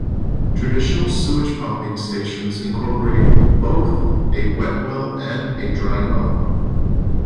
Traditional sewage pumping stations incorporate both a wet well and a "dry well".